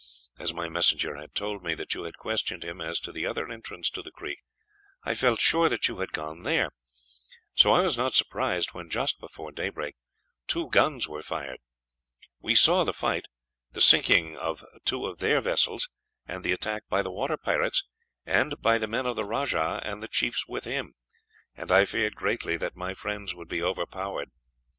As my messenger had told me that you had questioned him as to the other entrance to the creek, I felt sure that you had gone there; so I was not surprised when, just before daybreak, two guns were fired. We saw the fight, the sinking of two of their vessels, and the attack by the water pirates, and by the men of the rajah and the chiefs with him, and I feared greatly that my friends would be overpowered.